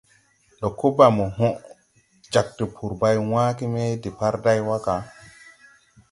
Ndo ko ba mo hoʼ jāg tpuri bày wããge me de depārday wa ga?